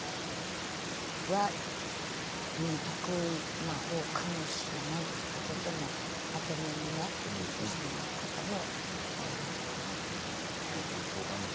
それは得意な方かもしれないですけどでも、まともに受けてしまう方もたくさんいるんでしょうね。